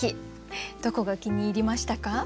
どこが気に入りましたか？